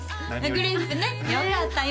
グレープねよかったよ